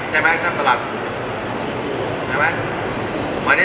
ใช่ไหมจ้างตลัด